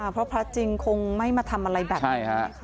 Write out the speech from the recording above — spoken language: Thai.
เพราะพระจริงคงไม่มาทำอะไรแบบนี้ฮะ